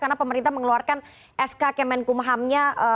karena pemerintah mengeluarkan sk kemenkumhamnya